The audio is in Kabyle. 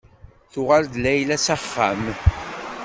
Tuɣal-d Layla s axxam.